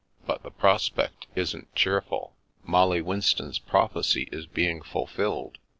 " But the prospect isn't cheerful. Molly Winston's proph ecy is being fulfilled.